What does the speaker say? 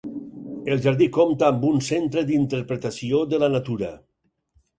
El jardí compta amb un centre d'interpretació de la natura.